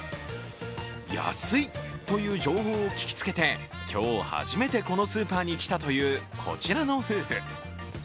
安いという情報を聞きつけて今日、初めてこのスーパーに来たというこちらの夫婦。